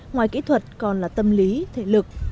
ngoài kỹ thuật còn là tâm lý thể lực